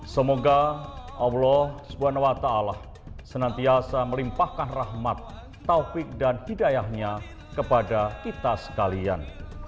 semoga allah swt senantiasa melimpahkan rahmat taufik dan hidayahnya kepada kita sekalian